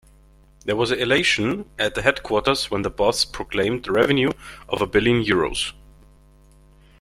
There was elation at the headquarters when the boss proclaimed the revenue of a billion euros.